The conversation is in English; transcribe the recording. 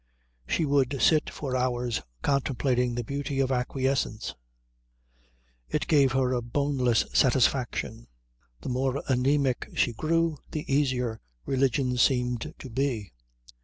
She would sit for hours contemplating the beauty of acquiescence. It gave her a boneless satisfaction. The more anæmic she grew the easier religion seemed to be.